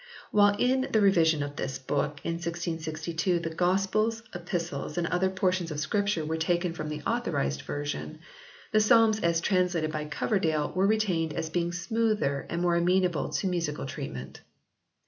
While in the revision of this book in 1662 the Gospels, Epistles and other portions of Scripture were taken from the Authorised Version, the Psalms as translated by Coverdale were retained as being smoother and more amenable to musical treatment.